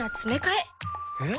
えっ？